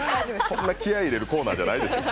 そんな気合い入れるコーナーじゃないですよ。